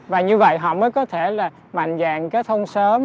và như vậy họ mới có thể là mạnh dạng kết thông sớm